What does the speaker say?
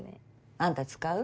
あんた使う？